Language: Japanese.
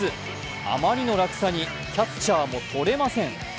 あまりの落差にキャッチャーもとれません。